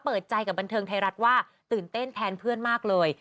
เปิดใจกับบันเทิงไทยรัฐว่าตื่นเต้นแทนเพื่อนมากเลย